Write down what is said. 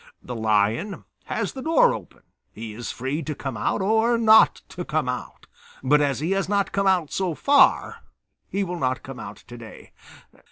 The lion has the door open; he is free to come out or not to come out; but as he has not come out so far, he will not come out to day.